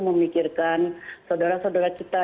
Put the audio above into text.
memikirkan saudara saudara kita